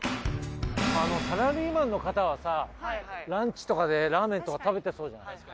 サラリーマンの方はさランチとかでラーメンとか食べてそうじゃない？